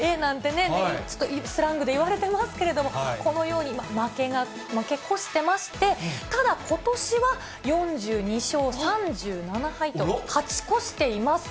なおエなんてね、言われていますけれども、ちょっとスラングでいわれていますけれども、このように、負け越してまして、ただことしは４２勝３７敗と、勝ち越しています。